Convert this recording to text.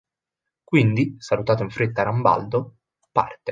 Quindi, salutato in fretta Rambaldo, parte.